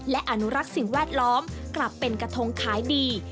และอนุรักษ์สิ่งแวดล้อมกลับเป็นกระทงขายดี